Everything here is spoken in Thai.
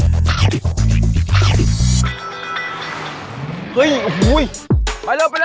เฮ้ยโอ้โหย